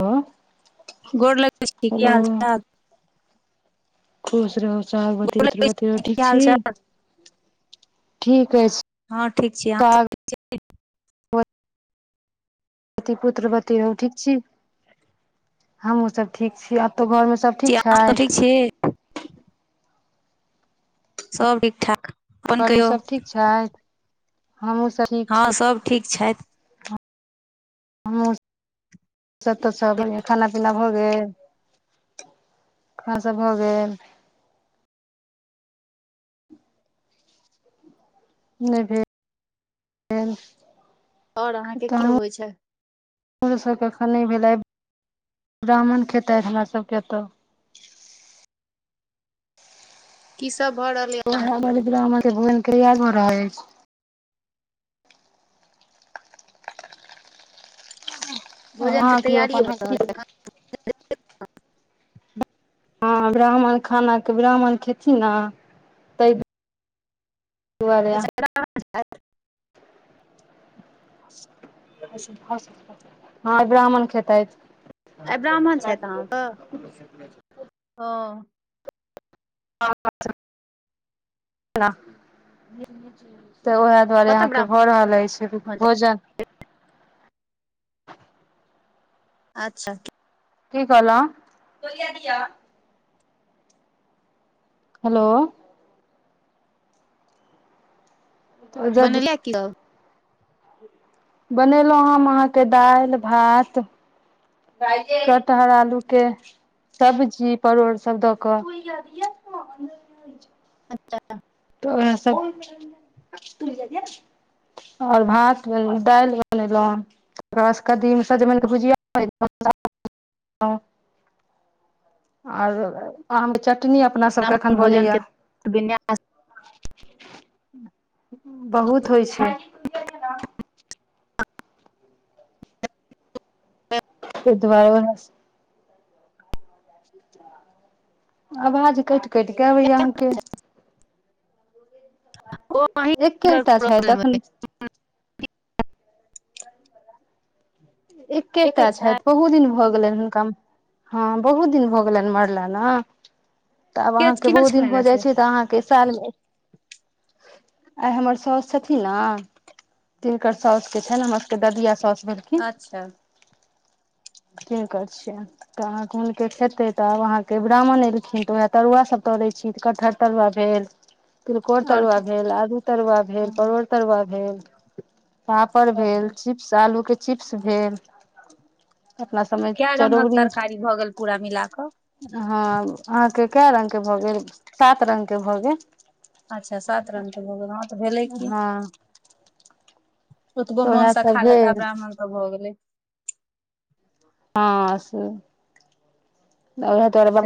Hello गोर लगै छी की हेलो हाल-चाल। खुश रहु। सोहागवती, लगै पुत्रवती रहु, ठीक की हाल छी। ठीक। अछि हाँ ठीक छी, अहाँ सब ठीक छी। [unintelligible] वती, पुत्रवती रहु, ठीक छी, हमहुँ सब ठीक छी आ तऽ घर मे सब छी ठीक अहाँ सब छैथ। ठीक छी सब ठीक-ठाक, अपन घरमे कहियौ। सब ठीक छथि हमहूँ हाँ सब ठीक छैथ। हमु सब त सब बढ़ियाँ खाना-पीना भऽ गेल, खा सब भऽ गेल। नै भेल। और अहाँ के कब होय छै। कखनि भेलै ब्राह्मण खेतथि हमरा सभकेतय। [unintelligible] किस। [unintelligible] बह ब म भ। [unintelligible] तैयार भ रहै एछ। ओ ह भोजन के ख तैयारी अपन। भऽ [unintelligible] [unintelligible] हँ ब्राह्मण खानाके ब्राह्मण खेथि ने तै। [unintelligible] अच्छा। [unintelligible] अ। [unintelligible] [unintelligible] हँ ब्राह्मण खेतायत। ह आइ चू। ब्राह्मण छथि अहाँके ओ [unintelligible] ह। [unintelligible] तऽ उएह दुआरे कतऽ अहाँके भऽ रहल अछि ब्राह्मण छथि भोजन। [unintelligible] अच्छा। [unintelligible] की कहलो। [unintelligible] हेलो। [unintelligible] जद बनले कियो। [unintelligible] बनेलहुँ हम अहाँके दालि भात -कटहर आलू के सब्जी परोड़ सब दऽ कऽ। [unintelligible] तऽ। [unintelligible] ओहिमे आओर भात दालि बनेलहुँ तकर बाद कद्दीम -सजमनिके भुजिया। आ। [unintelligible] आम चटनी अपना सबके ब्राह्मण एखन भोजन बनैया। के विन्यास [unintelligible] हं। [unintelligible] बहुत होइ छै। [unintelligible] तअ दुआरे। [unintelligible] आ बाज कट। [unintelligible] कटि केबै अहाँके। [unintelligible] ओ अहीं नेटवर्क एक्ेटा छै प्रॉब्लम तखन। अइ [unintelligible] एकेटा छथि बहुत दिन भऽ गेलनि हुनका मे। हँ बहुत दिन होगलनि मरला न। [unintelligible] तऽ आब के अहाँके किनर बहुत दिन हो छलनि जाइ से छै तऽ अहाँके सालमे। [unintelligible] आ हमर सस स- हमर सबिया स। अच्छा। [unintelligible] की करै छियै तऽ अहाँके हुनके खेतै तऽ आब अहाँके ब्राह्मण अ एलखिन तऽ उएह तरुआसभ तरै छी तऽ कटहर तरुआ भेल। तिलकोर आओर तरुआ की भेल, आलू तरुआ भेल, परोड़ तरुआ भेल। [unintelligible] पापड़ अच्छा भेल चिप्स आलू के ‌‌‌‌‌स भेल अपना सबमे कए रंगक चरौरी तरकारी भऽ गेल पूरा मिला कऽ ह अहाँके? क रंगग के भऽ गेल सात रंगग के भऽ गेल। अच्छा सात रंगगके भऽ गेल हा तऽ भेलै की। हँ [unintelligible] ओतबो तऽ उएह मोनसँ सब खा ल त भेल ब्राह्मण तऽ भऽ गेलै। [unintelligible] आहाँ स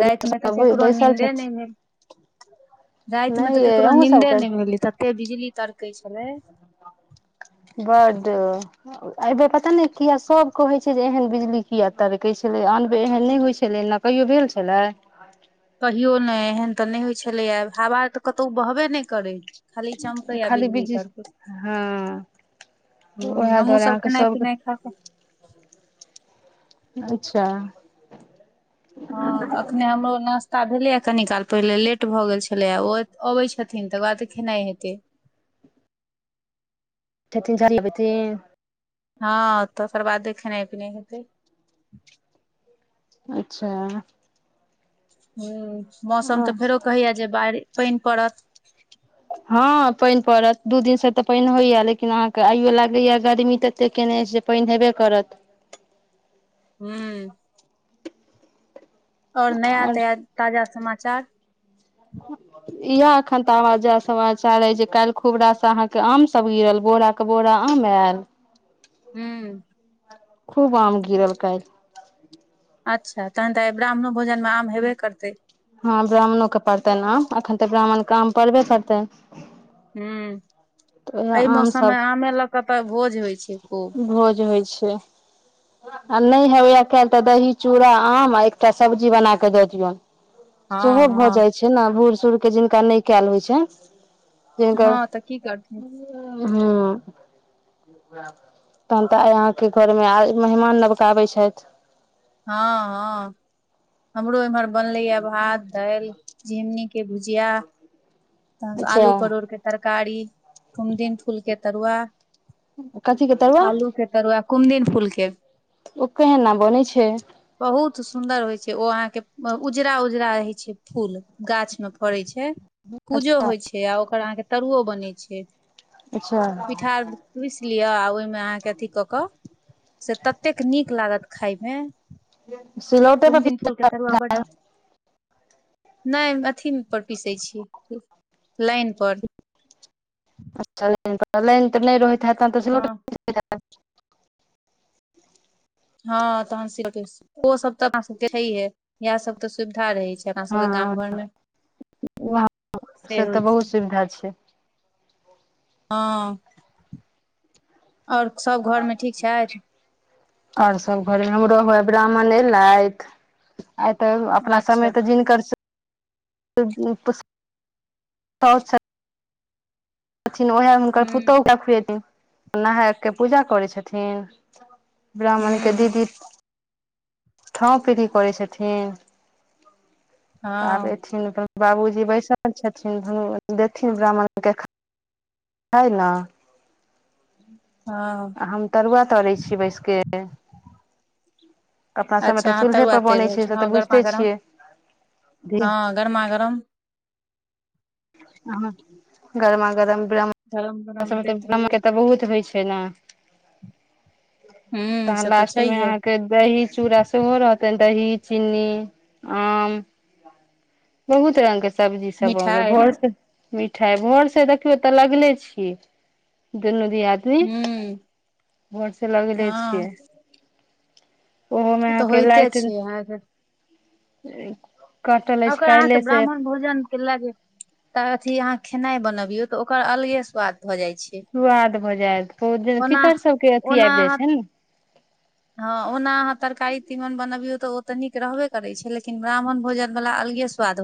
राति मे तऽ केकरो नीन्दे नहि छथिन भेल राति मे तऽ नहि यै केकरो अहूँ सब नीन्दे करू। नहि भेलै तते बिजली तर कै छलै। बड्ड अयबैर पता नहि किएक सभ कहैत छै जे एहन बिजली किए तड़कै छलै आनबैर एहन नहि होइ छलै ने कहियो भेल छलै? कहियो ने एहन तऽ नहि होइत छलैया हवा तऽ कतहु बहबे नहि करै। खाली चमकैया खाली बिजली बिजी तड़कै हँऽ हूँ उएह हमहुँ दुआरे सब अहाँके खेनाइ सभके पिनाइ खा कऽ अच्छा हँ तऽ एखने हमरो नाश्ता भेलैए कनि काल पहिले लेट भऽ गेल छलैए ओ अबै छथिन तकर बाद खेनाइ हेतै। छथिन [unintelligible] हँ तकर बादे खेनाइ पिनाइ हेतै। अच्छा हू मौसम तऽ फेरो कहैया जे बारि पानि पड़त। हँ पानि पड़त। दू दिनसँ तऽ पानि होइए लेकिन अहाँकेँ आइयो लागैए गर्मी तऽ एतेक केने से पानि हेबे करत। हू आऔर नया आओर तया ताजा समा चाल इह एखन ताजा समाचार अइ जे काल्हि खुब रासँ अहाँके आम सभ गिरल बोराके बोरा आम आयल। हू खूब आम गिरल कायल। अच्छा तहन तऽ आइ ब्राह्मण भोजन मे आम हेबे करतै? हँ ब्राह्मणोके पड़तैन आम एखन तऽ ब्राह्मणके आम पड़बे करतैन। हू एहि मौसममे सब आमे लऽ कऽ तऽ भोज होइ छै खूब। भोज होइ छै आ नहि होइया काल्हि तऽ दही चूड़ा आम आ एकटा सब्जी बना के द दियौन। हँ सेहो भऽ हँ जाइ छै ने बूढ़ सुर के जिनका नहि कयल होइ छनि। हँ तऽ की करथिन ह हं तहन तऽ यहाँके घर मे आ मेहमान नवका आबै छथि। [unintelligible] हँ हँ- हमरो एमहर। बनलै य भात दालि। जे। [unintelligible] के बुझिया त अच्छा आलू परोड़के तरफ। [unintelligible] तरकारी कुमदिन फूल के तरुआ। कथि के तरूआ। आलू के तरुआ [unintelligible] कुमदिन फूलके। [unintelligible] ओ केहना बनै छै। [unintelligible] बहुत सुंन्दर होय छै ओ अहाँ के उजरा उजरा रहे छै फूल गाछ में फड़े छै। पूजो अच्छा होइ छै आ ओकर अहाँके। तरुओ बनै छै। अच्छा पिठार पिसलो। ओहिमे। [unintelligible] अहाँके अथी कऽ कऽ। से ततेक नीक लागत खाायमे। सिलौटे त। बड [unintelligible] नहि अथिी पर पीसै छीियै। [unintelligible] लाइन पर [unintelligible] ‌। तऽ नहि रह। [unintelligible] तऽो। [unintelligible] अच्छा। [unintelligible] हँ तन ओ सब तऽ अपना सबके छै है इएह सब त सुविधा। ठा रहै छै अपना सबके गाम हँ घर मे वहाँ [unintelligible] से तऽ होइ बहुत छै। [unintelligible] सुविधा छै हँ। [unintelligible] आओर सब घर मे ठीक छथि आओर सब घरे नर। [unintelligible] ब्राह्मण एल आयत। [unintelligible] आइ तऽ अपना समय अच्छा तऽ जिनकर। [unintelligible] [unintelligible] ओहिह हुनकर हूँ पुतहु ओ का खुएथिन। [unintelligible] नहाय कऽ पूजा करै छथिन। [unintelligible] हूँ ब्राह्मणके दीदी। [unintelligible] ठौ पी कर छथि ठिन। [unintelligible] आब हँ एथिन [unintelligible] बाबूजी बैसल छथिन, [unintelligible] देथिन ब्राह्मण के खा हय ना। हँ हम तरुआ तरै छीये बैस के। अपना सबमे अच्छा तऽ अहाँ चूल्हे तरुआ पर तर बनै रहल छै छी से तऽ हँ गरमा बुझिते -गरम छियै हँ गरमा -गरम। ह [unintelligible] गरमा गरम। धरम। [unintelligible] ओय सब मे ते नमके तऽ बहुत होय छै ना। हूँ तहन से तऽ लास्ट मे छैहे अहाँ के दही-चूड़ा सेहो रहतेन। दही, चीनी, आम बहुत रंग के सब्जी सब मगर मिठाइ भोर से मिठाय भोर से देखियो ते लगले छ ई दुनू दु आदमी हूँ भोर से लगेले हँ छियै। उहो मे अहाँ तऽ के होइते लाइट छै अहाँके [unintelligible] अछि ओकर अहाँ के काल्हि से ब्राह्मण भोजन के लागे तऽ अथी अहाँ खेनाय बनबियौ तऽ ओकर अलगे स्वाद भऽ जाइ छै सुआद भऽ जाएत ओ जे पितर सब के अथी आएब जाय छन हाँ ओना अहाँ तरकारी, तीमन बनबियौ तऽ ओ ते नीक रहबे करै छै, लेकिन ब्राह्मण भोजन बला अलगे सुआद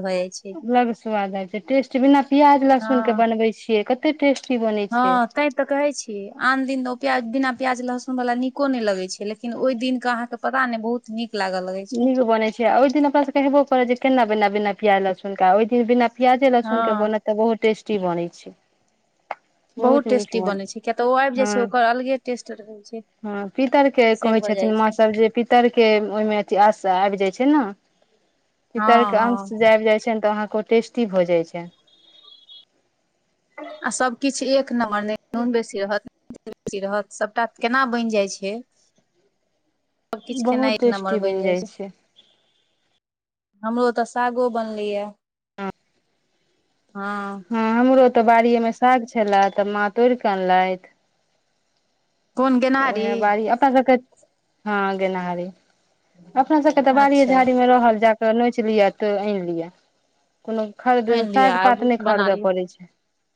अलग स्वाद आय छै, टेस्ट बिना प्याज, लहसुन के बनबै छियै क ते टेस हाँ तैते कहै छी आन दिन ओ प्याज बिना प्याज, लहसुन वला नीको नै लगे छै। लेकिन ओय दिन का अहाँ के पता नै बहुत नीक लागऽ लगै छै नीक बनै छै, ओय दिन अपना सबके हेबो करै जे केना बिना, बिना पियाज लहसुन के, ओय दिन बिना प्याजे, लहसुन के हँ बनत ते बहुत टेस्टी बनै छै। बहुत नीक टेस्टी बन बनै छै, किया ते ओ आब जाय छै ओकर अलगे टेस्ट रहे हाँ पितर के कहै छथिन माँ छै सब जे पितर के ओय मे इ आास आबि जाइ छै ने। हँ शीतल के हँ अंश आबि जाइ छै ने तऽ वहाँ। टेी भऽ जाइ छै। [unintelligible] नमर नहि नून बेसी रहत। [unintelligible] बेसी रहत सबटा केना बैन जाय छै। सबकिछु खेनाइ बहुत एक नम्बर टेस्टी बनि जाइ छै। [unintelligible] हमरो ओ तऽ सागो बनलैए। [unintelligible] हँ। [unintelligible] हँ। [unintelligible] हमरो तऽ बाड़ीें साग छले आ मा तोड़िके अनलथि। कोन तऽ गेनहारी ओह बी अप सब। हँ गेनाहरीी। [unintelligible] अपना सबके तऽ बाड़िए अच्छा झाड़ी मे रहल जा। तऽ नोच लियअ तऽ आनि लिअ। [unintelligible] कोनो खरीद आनि लिअ साग पात आबू नहि बना खरीदय लिअ पड़ैत छै। [unintelligible]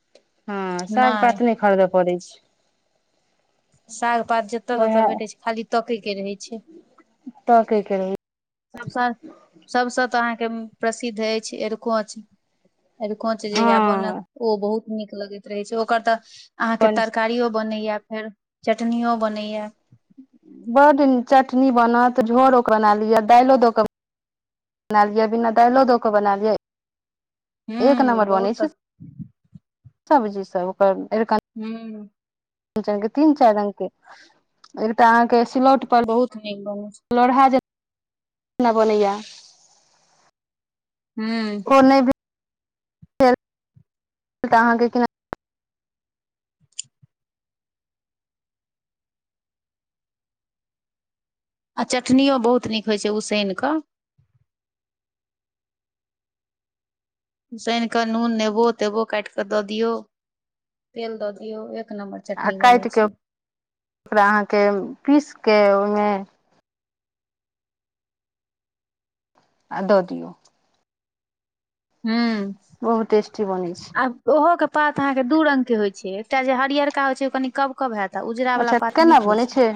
हँ साग नहि पात न खरीद। परज। [unintelligible] साग पात जतय ततय भेटै छै खाली तकयके रहै छै। [unintelligible] त क करबै। सबसँ- सबसँ तऽ अहाँके। के प्रसिद्ध अछि आरको अछि। [unintelligible] आर कोनच जे ह बन हँ ओ बहुत। नीक लगैत रहै छै ओकर तऽ। अहाँके तरकारियो बनैया। फेर चटनियो बनैए। बड्ड चटनी बनत झोड़ोके बना लिअ दालिओ दऽ कऽ -बना लिअ बिना दालिओ दऽ कऽ बना लियै। [unintelligible] एक हूं नम्बर बनै बहुत छै। [unintelligible] सबजी सब ओकर। [unintelligible] हू। [unintelligible] न च तीन चारि अङके एक तऽ अहाँके। सिलोट पर बहुत नीक बनै छै [unintelligible] लढा। बोलेए। [unintelligible] ह्मं। [unintelligible] ख तऽ -अहाँके केना। [unintelligible] आ चटनिओ बहुत नीक होइ छै उसैान कऽ। सान कऽ नून नेबो-तेबो काटि कऽ दऽ दियौ तेल दऽ दियौ एक नम्बर आ चटनी बनै काटि कऽ छै ओकरा अहाँके पीस के ओयमे आ दऽ दिऔ। हूं। बहुत टेस्टी [unintelligible] बनै छै आब ओहो के पात अहाँ के दू रंग के होय छै एकटा जे हरियरका होय छै ओ कनी कब-कब हेएत। अच्छा केना बनेै छै।